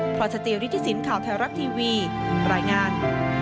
พศจริทธิสินทร์ข่าวไทยรักทีวีรายงาน